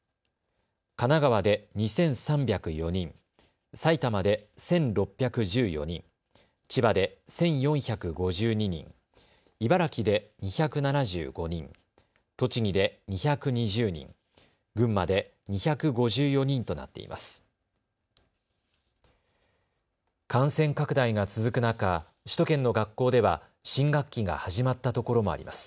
神奈川で２３０４人、埼玉で１６１４人、千葉で１４５２人、茨城で２７５人、栃木で２２０人、群馬で２５４人となっています。